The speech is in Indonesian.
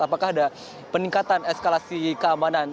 apakah ada peningkatan eskalasi keamanan